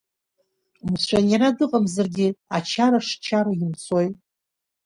Мшәан, иара дыҟамзаргьы, ачара шчароу имцои!